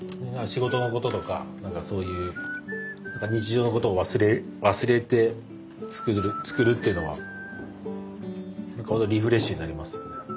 仕事のこととかそういう日常のことを忘れて作るっていうのはほんとリフレッシュになりますよ。